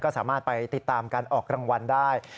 ก็สามารถไปติดตามการออกรางวัลได้